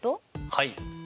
はい！